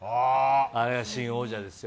あれが新王者ですよ。